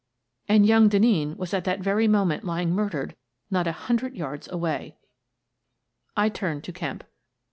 And young Denneen was at that very moment lying murdered not a hundred yards away I I turned to Kemp.